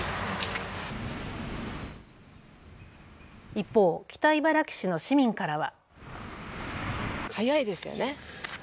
一方、北茨城市の市民からは。